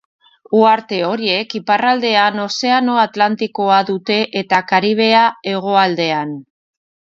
Uharte horiek iparraldean Ozeano Atlantikoa dute eta Karibea hegoaldean.